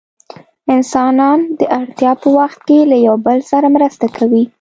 انسانان د اړتیا په وخت کې له یو بل سره مرسته کوي.